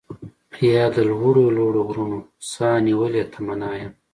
يا د لوړو لوړو غرونو، ساه نيولې تمنا يم